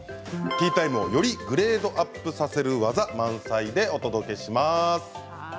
ティータイムをよりグレードアップさせる技満載でお届けします。